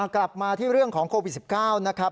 กลับมาที่เรื่องของโควิด๑๙นะครับ